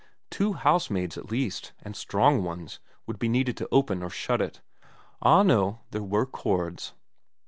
Two housemaids at least, and strong ones, would be needed to open or shut it, ah no, there were cords.